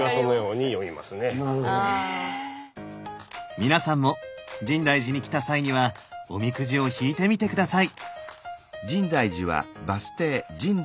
皆さんも深大寺に来た際にはおみくじを引いてみて下さい。